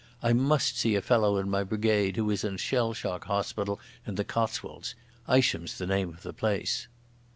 I must see a fellow in my brigade who is in a shell shock hospital in the Cotswolds. Isham's the name of the place."